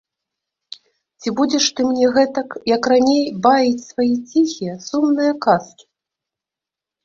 Ці будзеш ты мне гэтак, як раней, баіць свае ціхія, сумныя казкі?